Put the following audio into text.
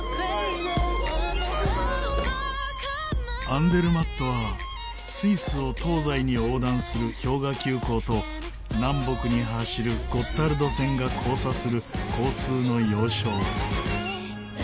アンデルマットはスイスを東西に横断する氷河急行と南北に走るゴッタルド線が交差する交通の要衝。